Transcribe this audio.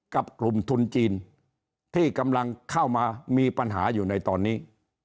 กับกลุ่มทุนจีนที่กำลังเข้ามามีปัญหาอยู่ในตอนนี้